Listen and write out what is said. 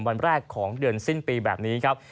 วันแรกของเดือนสิ้นปีแบบนี้ครับ